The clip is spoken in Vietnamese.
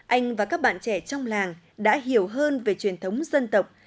anh và các bạn trẻ trong làng đã hiểu hơn về truyền thống dân tộc